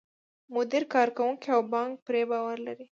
مدیر، کارکوونکي او بانک پرې باور لري.